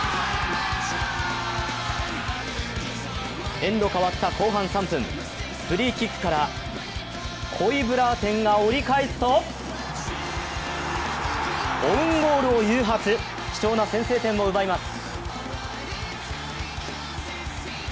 エンド変わった後半３分フリーキックからホイブラーテンが折り返すとオウンゴールを誘発、貴重な先制点を奪います。